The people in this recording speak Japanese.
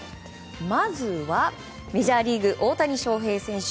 まずは、メジャーリーグ大谷翔平選手。